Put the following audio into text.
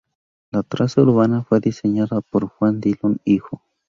La traza urbana fue diseñada por Juan Dillon hijo.